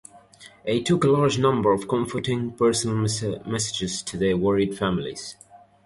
He took a large number of comforting personal messages to their worried families.